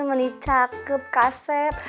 mani cakep kaset